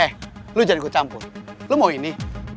eh lo jangan kucampur lo mau ini